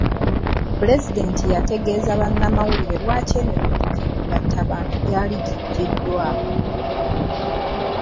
Pulezidenti yategeeza bannamawulire lwaki emikutu gimugattabantu gyali giggyiddwako.